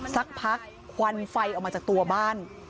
สักพักควันไฟออกมาจากตัวบ้าน